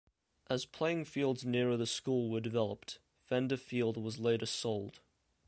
As playing fields nearer the school were developed, Fender Field was later sold.